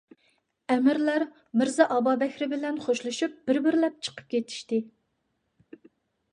ئەمىرلەر مىرزا ئابابەكرى بىلەن خوشلىشىپ بىر-بىرلەپ چىقىپ كېتىشتى.